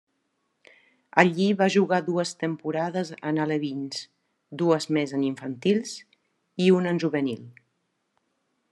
Allí va jugar dues temporades en alevins, dues més en infantils, i una en juvenil.